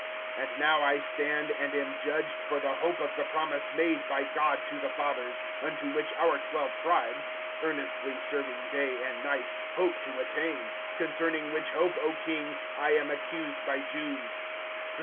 (6)And now I stand and am judged for the hope of the promise made by God to the fathers; (7)unto which our twelve tribes, earnestly serving day and night, hope to attain; concerning which hope, O king, I am accused by Jews.